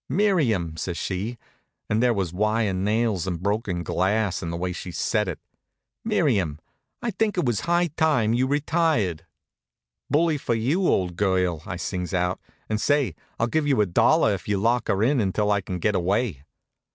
"Miriam!" says she, and there was wire nails and broken glass in the way she said it, "Miriam, I think it was high time you retired." "Bully for you, old girl!" I sings out. "And say, I'll give you a dollar if you'll lock her in until I can get away."